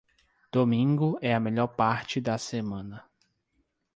Domingo é a melhor parte da semana.